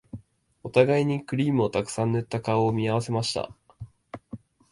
お互いにクリームをたくさん塗った顔を見合わせました